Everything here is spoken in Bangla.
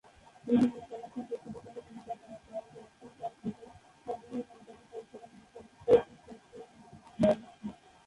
বিভিন্ন চলচ্চিত্রে ছোটোখাটো ভূমিকা পালন করার পর, চু তার প্রথম অগ্রণী ভূমিকাটি পেয়েছিলেন "গ্রেট মিঃ চৌ" নামে একটি ধারাবাহিকে।